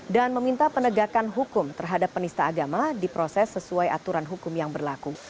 dan meminta penegakan hukum terhadap penista agama di proses sesuai aturan hukum yang berlaku